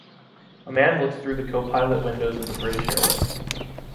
A man looks thru the copilot windows of the British Airways.